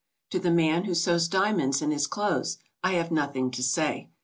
To the man who sews diamonds in his clothes, I have nothing to say.